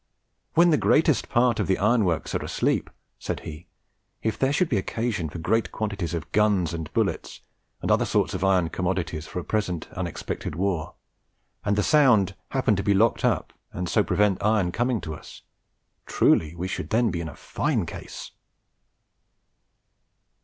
"When the greatest part of the iron works are asleep," said he, "if there should be occasion for great quantities of guns and bullets, and other sorts of iron commodities, for a present unexpected war, and the Sound happen to be locked up, and so prevent iron coming to us, truly we should then be in a fine case!"